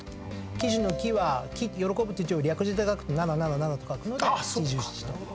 喜寿の喜は喜ぶという字を略字で書くと七・七・七と書くので７７と。